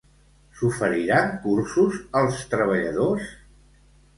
S'oferiran cursos als treballadors?